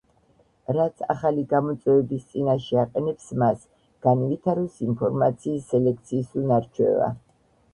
რაც ახალი გამოწვევების წინაშე აყენებს მას - განივითაროს ინფორმაციის სელექციის უნარ- ჩვევა.